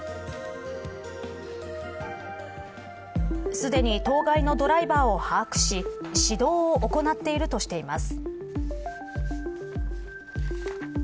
すでに当該のドライバーを把握し指導を行っているとしています。